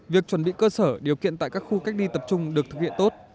việc chuẩn bị cơ sở điều kiện tại các khu cách ly tập trung được thực hiện tốt